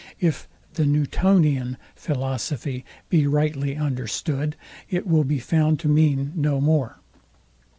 If THE NEWTONIAN philosophy be rightly understood, it will be found to mean no more.